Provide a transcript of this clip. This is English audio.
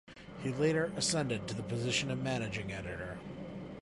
He later ascended to the position of managing editor.